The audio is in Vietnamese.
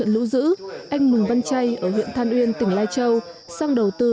hôm rồi em đi trước hôm rồi em bảo là nhanh lên hôm rồi cháu cũng đi